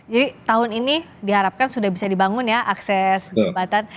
jadi tahun ini diharapkan sudah bisa dibangun ya akses kejabatan